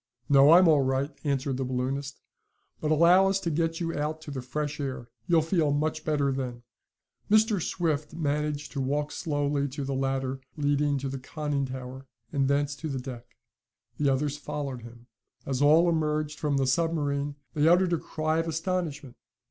"No, I'm all right," answered the balloonist. "But allow us to get you out to the fresh air. You'll feel much better then." Mr. Swift managed to walk slowly to the ladder leading to the conning tower, and thence to the deck. The others followed him. As all emerged from the submarine they uttered a cry of astonishment.